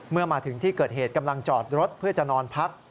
เมื่อมาถึงที่เกิดเหตุกำลังจอดรถเพื่อจะนอนพัก